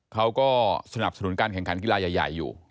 เขาก็สนับสนุนการแข่งขันกีฬาใหญ่อยู่